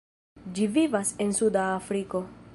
Ĝi vivas en Suda Afriko.